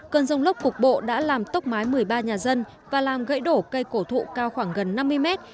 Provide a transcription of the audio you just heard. cơn rông lốc cục bộ đã làm tốc mái một mươi ba nhà dân và làm gãy đổ cây cổ thụ cao khoảng gần năm mươi mét